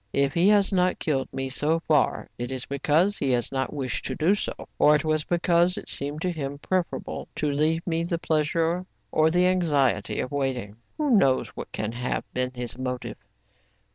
If he has not killed me so far, it is because he has not wished to do so, or it was because it seemed to him preferable to leave me the pleasure or the anxiety of waiting. Who knows what can have been his motive